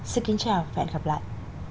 xin kính chào và hẹn gặp lại